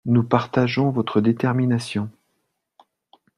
Nous partageons votre détermination.